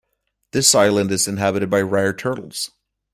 This island is inhabited by rare turtles.